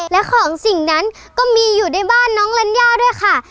และของสิ่งนั้นก็มีอยู่ในบ้านน้องลัญญาด้วยค่ะ